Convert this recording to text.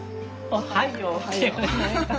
おはよう。